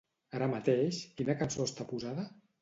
Ara mateix quina cançó està posada?